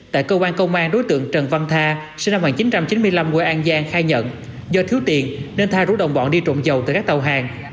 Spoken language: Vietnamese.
tại cơ quan công an đối tượng trần văn tha sinh năm một nghìn chín trăm chín mươi năm quê an giang khai nhận do thiếu tiền nên tha rủ đồng bọn đi trộm dầu từ các tàu hàng